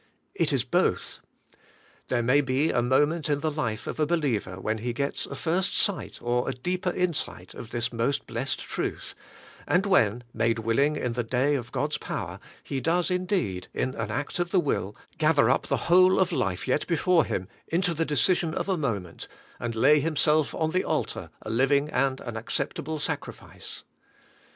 It is both. There may be a moment in the life of a believer when he gets a first sight, or a deeper insight, of this most blessed truth, and when, made willing in the day of God's power, he does indeed, in an act of the will, gather up the whole of life yet before him into the decision of a moment, and lay himself on the 138 ABIDE IN CHRIST: altar a living and an acceptable sacrifice.